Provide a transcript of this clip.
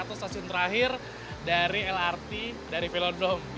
atau stasiun terakhir dari lrt dari velodrome